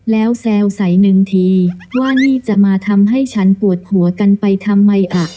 แล้วแซวใส่หนึ่งทีว่านี่จะมาทำให้ฉันปวดหัวกันไปทำไมอ่ะ